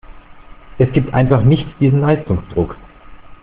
Es gibt einfach nicht diesen Leistungsdruck.